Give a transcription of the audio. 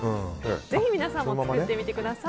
ぜひ皆さんも作ってみてください。